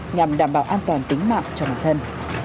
nhằm đảm bảo an toàn tính mạng cho bản thân